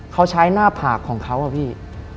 เขาใช้หน้าผากของเขาอะพี่